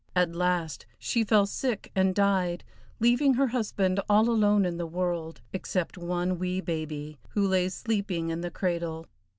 At last she fell sick and died, leaving her husband all alone in the world, except one wee baby, who lay sleeping in the cradle.